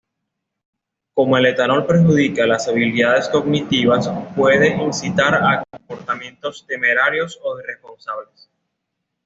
Como el etanol perjudica las habilidades cognitivas, puede incitar a comportamientos temerarios o irresponsables.